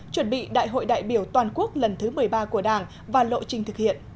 chuẩn bị đại hội đại biểu toàn quốc lần thứ một mươi ba của đảng và lộ trình thực hiện